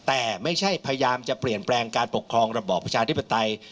แต่ไม่ใช่พยายามจะเปลี่ยนแปลงการปกครองระบอบประชาธิปไตย